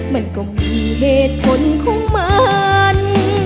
มันก็มีเหตุผลของมัน